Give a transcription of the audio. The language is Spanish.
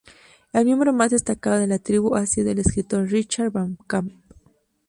El miembro más destacado de la tribu ha sido el escritor Richard van Camp.